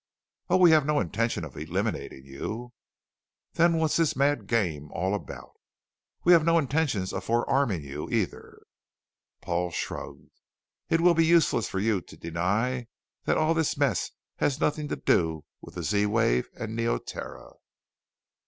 "Oh, we have no intention of eliminating you." "Then what's this mad game all about?" "We have no intentions of forearming you, either." Paul shrugged. "It will be useless for you to deny that all this mess has nothing to do with the Z wave and Neoterra."